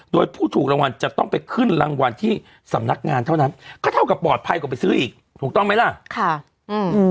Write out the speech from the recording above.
โดยผู้ถูกรางวัลจะต้องไปขึ้นรางวัลที่สำนักงานเท่านั้นก็เท่ากับปลอดภัยกว่าไปซื้ออีกถูกต้องไหมล่ะค่ะอืม